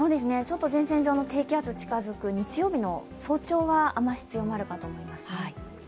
前線上の低気圧が近づく日曜日の早朝は雨足が強まるかと思います。